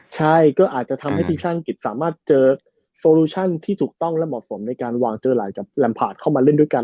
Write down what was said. ใช่ก็อาจจะทำให้ทีมชาติอังกฤษสามารถเจอโซลูชั่นที่ถูกต้องและเหมาะสมในการวางเจอหลายกับแรมพาร์ทเข้ามาเล่นด้วยกัน